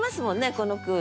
この句。